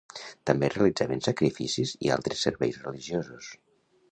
També realitzaven sacrificis i altres serveis religiosos.